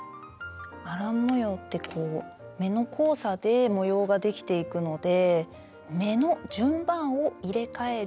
アラン模様って目の交差で模様ができていくので目の順番を入れかえる